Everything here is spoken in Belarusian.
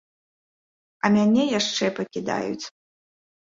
А мяне яшчэ пакідаюць.